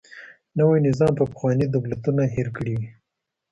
نوی نظام به پخواني دولتونه هیر کړي وي.